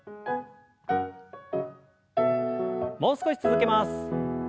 もう少し続けます。